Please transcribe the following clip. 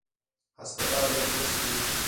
ہسپتال ݙے پُچھ تی